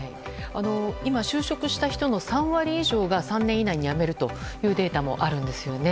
今、就職した人の３割以上が３年以内に辞めるというデータもあるんですよね。